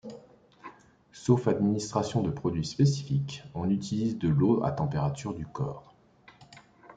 Sauf administration de produits spécifiques, on utilise de l'eau à température du corps.